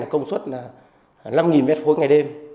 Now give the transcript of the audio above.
công suất là năm mét khối ngày đêm